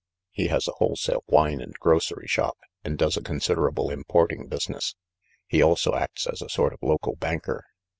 He has a wholesale wine and grocery shop, and does a considerable importing business ; he also acts as a sort of local banker.